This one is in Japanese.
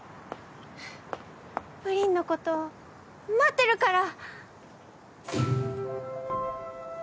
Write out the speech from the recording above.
ぷりんのこと待ってるから。